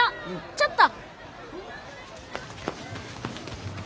ちょっと。